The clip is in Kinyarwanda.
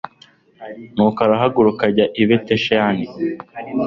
nuko arahaguruka ajya i betishani